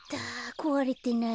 こわれてない。